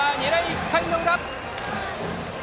１回の裏。